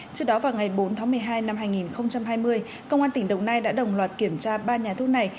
trước đó vào ngày bốn tháng một mươi hai năm hai nghìn hai mươi công an tỉnh đồng nai đã đồng loạt kiểm tra ba nhà thuốc này